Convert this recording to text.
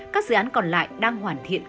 các dự án còn lại đang hoàn thiện